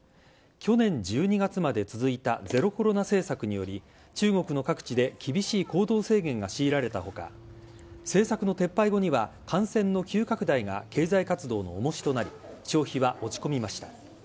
去年１２月まで続いたゼロコロナ政策により、中国の各地で厳しい行動制限が強いられたほか、政策の撤廃後には、感染の急拡大が経済活動のおもしとなり、消費は落ち込みました。